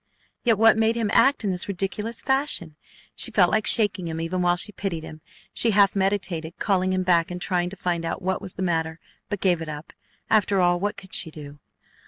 Yet what made him act in this ridiculous fashion? She felt like shaking him even while she pitied him. She half meditated calling him back and trying to find out what was the matter, but gave it up. After all, what could she do?